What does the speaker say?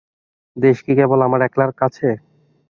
দেশ কি কেবল আমার একলার কাছে!